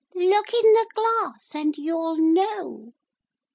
'Look in the glass and you'll know.'